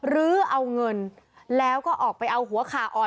ลื้อเอาเงินแล้วก็ออกไปเอาหัวขาอ่อน